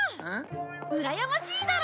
うらやましいだろ！